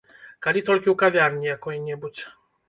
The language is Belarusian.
Калі толькі ў кавярні якой-небудзь.